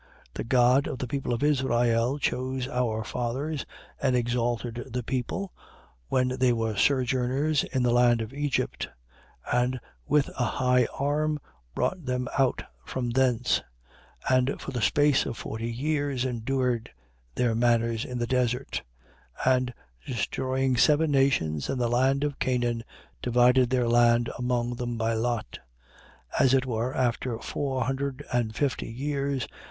13:17. The God of the people of Israel chose our fathers and exalted the people when they were sojourners in the land of Egypt: And with an high arm brought them out from thence: 13:18. And for the space of forty years endured their manners in the desert: 13:19. And, destroying seven nations in the land of Chaanan, divided their land among them by lot. 13:20. As it were, after four hundred and fifty years.